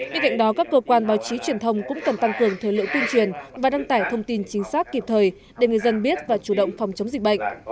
bên cạnh đó các cơ quan báo chí truyền thông cũng cần tăng cường thời lượng tuyên truyền và đăng tải thông tin chính xác kịp thời để người dân biết và chủ động phòng chống dịch bệnh